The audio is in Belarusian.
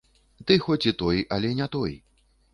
Ты хоць і той, але не той.